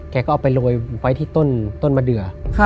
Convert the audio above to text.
แกก็เอาไปโรยไว้ที่ต้นมะเดือ